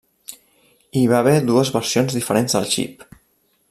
Hi va haver dues versions diferents del xip.